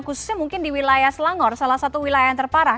khususnya mungkin di wilayah selangor salah satu wilayah yang terparah